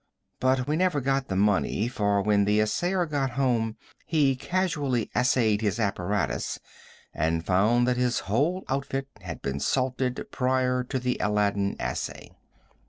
But we never got the money, for when the assayer got home he casually assayed his apparatus and found that his whole outfit had been salted prior to the Aladdin assay.